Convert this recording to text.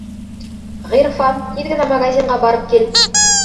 Ғирфан, тиҙ генә магазинға барып кил.